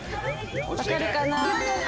わかるかな？